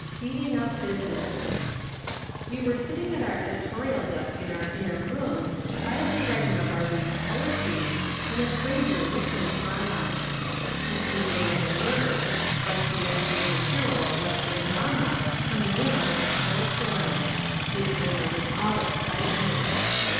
Speeding Up Business We were sitting at our editorial desk in our inner room, quietly writing up our week's poetry, when a stranger looked in upon us. He came in with a burst, like the entry of the hero of western drama coming in out of a snowstorm. His manner was all excitement.